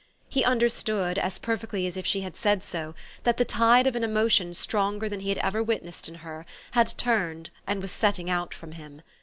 He understood, as perfectly as if she had said so, that the tide of an emotion stronger than he had ever witnessed in her had turned, and was setting out from him.